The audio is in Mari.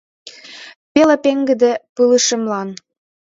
Пеле пеҥгыде пылышемлан.